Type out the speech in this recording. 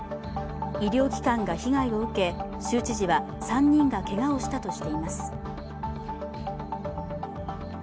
医療機関が被害を受け、州知事は３人がけがをしたとしています。